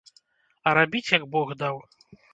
А рабіць, як бог даў.